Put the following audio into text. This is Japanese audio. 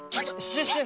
シュッシュ。